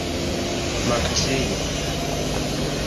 Makĉjo!